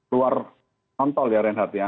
luar kontrol ya renhard ya